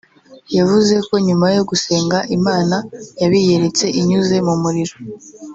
yavuze ko nyuma yo gusenga Imana yabiyeretse inyuze mu muriro